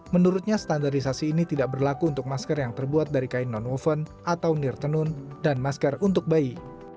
menurutnya standarisasi ini tidak berlaku untuk masker yang terbuat dari kain non oven atau nirtenun dan masker untuk bayi